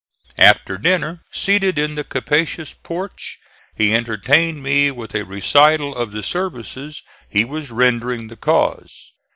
After dinner, seated in the capacious porch, he entertained me with a recital of the services he was rendering the cause.